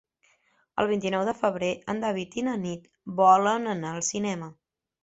El vint-i-nou de febrer en David i na Nit volen anar al cinema.